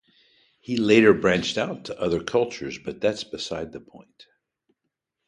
He later branched out to other cultures but that’s beside the point.